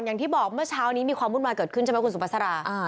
อย่างที่บอกเมื่อเช้านี้มีความวุ่นวายเกิดขึ้นใช่ไหมคุณสุภาษา